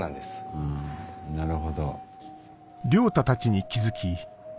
ふんなるほど。